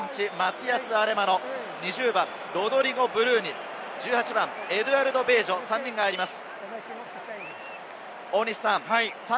１９番、１９８ｃｍ、マティアス・アレマノ、２０番ロドリゴ・ブルーニ、１８番エドゥアルド・ベージョの３人が入ります。